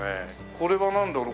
これはなんだろう？